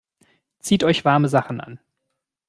Zieht euch warme Sachen an!